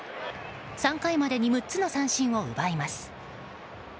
３回までに６つの三振を奪います。